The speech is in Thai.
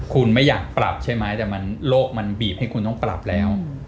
คุณไม่อยากปรับใช่ไหมแต่โลกมันบีบให้คุณต้องปรับแล้ว